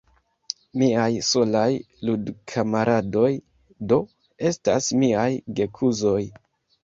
Miaj solaj ludkamaradoj, do, estas miaj gekuzoj.